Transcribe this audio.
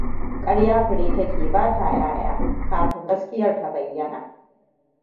Ƙarya fure take ba ta 'ƴa'ƴa kafin gaskiyar ta bayyana.